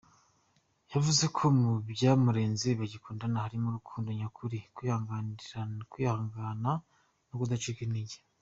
Yavuze ko mu byamuranze bagikundana harimo urukundo nyakuri, kwihangana, no kudacika intege.